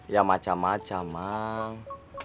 ya macam macam mang